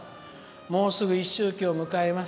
もうすぐ一周忌を迎えます。